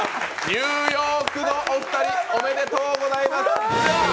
ニューヨークのお二人おめでとうございます。